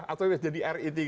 atau jadi ri tiga